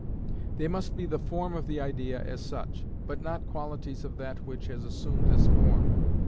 They must be the form of the idea as such; but not qualities of that which has assumed this form.